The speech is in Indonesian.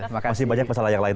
masih banyak masalah yang lain